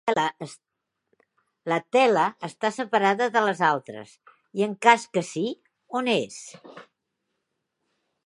La tela està separada de les altres i, en cas que sí, on és?